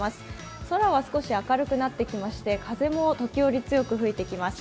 空は少し明るくなってきまして風も時折強く吹いてきます。